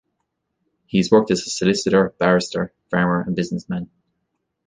He has worked as a solicitor, barrister, farmer and businessman.